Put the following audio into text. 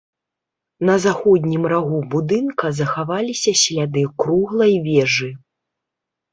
На заходнім рагу будынка захаваліся сляды круглай вежы.